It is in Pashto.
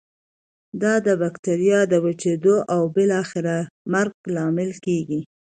دا د بکټریا د وچیدو او بالاخره مرګ لامل کیږي.